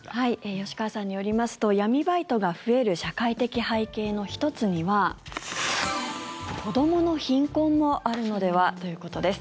吉川さんによりますと闇バイトが増える社会的背景の１つには子どもの貧困もあるのではということです。